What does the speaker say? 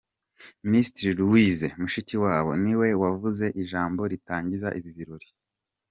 Minisitiri Louise Mushikiwabo ni we wavuze ijambo ritangiza ibi birori.